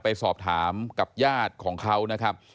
ไปสอบถามกับญาติของเขานะครับ